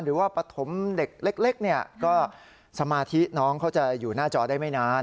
หรือว่าปฐมเด็กเล็กเนี่ยก็สมาธิน้องเขาจะอยู่หน้าจอได้ไม่นาน